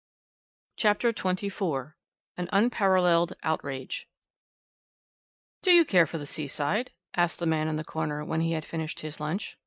CHAPTER XXIV AN UNPARALLELED OUTRAGE "Do you care for the seaside?" asked the man in the corner when he had finished his lunch.